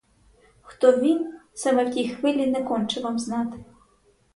Хто він, саме в тій хвилі не конче вам знати.